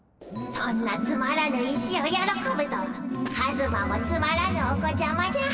そんなつまらぬ石をよろこぶとはカズマもつまらぬお子ちゃまじゃ。